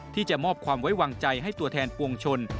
ที่จะมอบความไว้วางใจให้ตัวแทนปวงชน